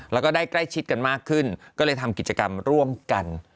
แล้วก็ได้ใกล้ชิดกันมากขึ้นก็เลยทำกิจกรรมร่วมกัน